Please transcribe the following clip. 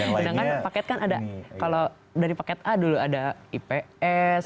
sedangkan paket kan ada kalau dari paket a dulu ada ips